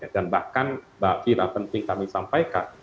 dan bahkan mbak pira penting kami sampaikan